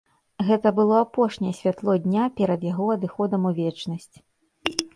Гэта было апошняе святло дня перад яго адыходам у вечнасць.